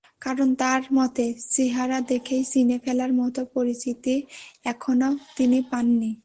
কারণ তাঁর মতে, চেহারা দেখেই চিনে ফেলার মতো পরিচিতি এখনো তিনি পাননি।